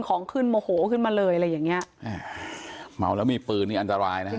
ของขึ้นโมโหขึ้นมาเลยอะไรอย่างเงี้ยอ่าเมาแล้วมีปืนนี่อันตรายนะฮะ